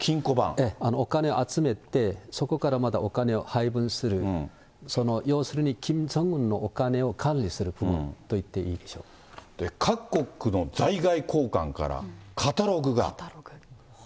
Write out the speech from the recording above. お金集めて、そこからまたお金を配分する、その、要するにキム・ジョンウンのお金を管理する部門といっていいでし各国の在外公館から、カタログが。